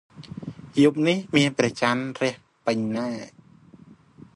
យប់នេះមានព្រះច័ន្ទរះពេញណា ។